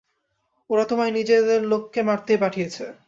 ওরা তোমায় নিজেদের লোককে মারতেই পাঠিয়েছে।